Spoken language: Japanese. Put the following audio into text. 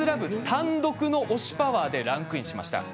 単独の推しパワーでランクインしました。